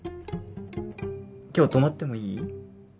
今日泊まってもいい？